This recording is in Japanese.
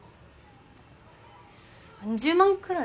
３０万くらい。